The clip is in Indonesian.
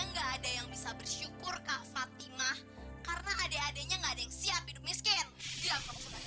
enggak ada yang bisa bersyukur kak fatimah karena adek adeknya enggak ada yang siap hidup miskin